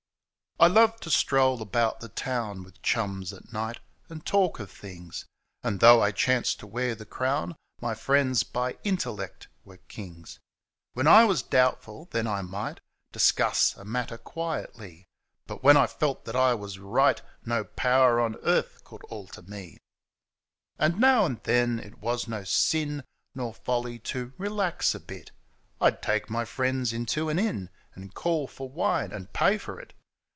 I loved to stroll about the town With chums at night, and talk of things. And, though I chanced to wear the crown. My friends, by intellect, were kings. When I was doubtful, then I might Discuss a matter quietly, But when I felt that I was right No power on earth could alter me !^ WHEN I WA8 KINO And now and then it was no sin Nor folly to relax a bit — I'd take my friends into an inn And call for wine and pay for it.